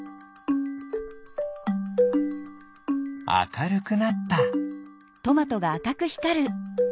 あかるくなった。